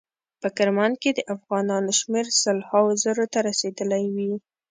په کرمان کې د افغانانو شمیر سل هاو زرو ته رسیدلی وي.